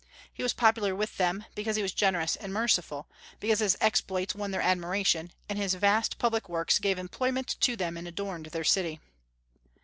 He was popular with them, because he was generous and merciful, because his exploits won their admiration, and his vast public works gave employment to them and adorned their city.